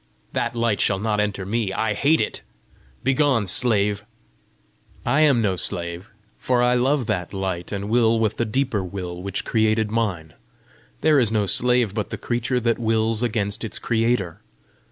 "That light shall not enter me: I hate it! Begone, slave!" "I am no slave, for I love that light, and will with the deeper will which created mine. There is no slave but the creature that wills against its creator.